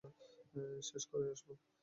শেষ করেই আসব।